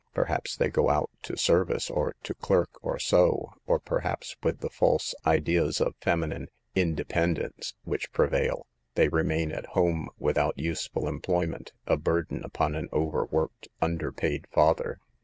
Perhaps they go out to service, or to clerk, or sew ; or perhaps, with the false ideas of feminine "independence" (?) which prevail, they remain at home without useful employment, a burden upon an overworked, underpaid father.